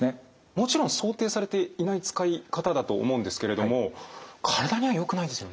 もちろん想定されていない使い方だと思うんですけれども体にはよくないですよね？